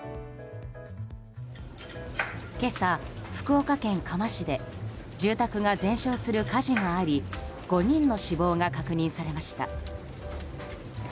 今朝、福岡県嘉麻市で住宅が全焼する火事があり５人の死亡が確認されました。